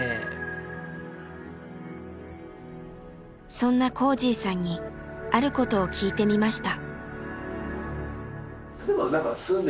そんなこーじぃさんにあることを聞いてみました。